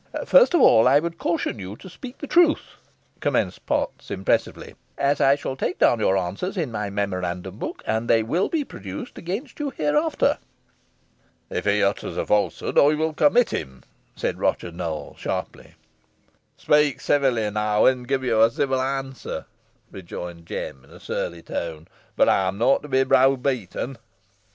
"First of all I would caution you to speak the truth," commenced Potts, impressively, "as I shall take down your answers in my memorandum book, and they will be produced against you hereafter." "If he utters a falsehood I will commit him," said Roger Nowell, sharply. "Speak ceevily, an ey win gi' yo a ceevil answer," rejoined Jem, in a surly tone; "boh ey'm nah to be browbeaten."